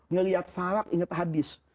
ngelihat salak inget hadis